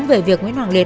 về việc nguyễn hoàng liệt